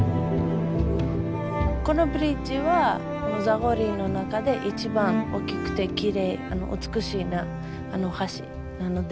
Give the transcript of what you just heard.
このブリッジはザゴリの中で一番大きくて美しい橋なので。